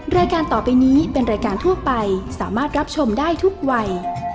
รายการต่อไปนี้เป็นรายการทั่วไปสามารถรับชมได้ทุกวัย